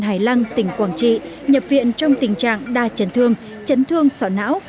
hải lăng tỉnh quảng trị nhập viện trong tình trạng đa chấn thương chấn thương sỏ não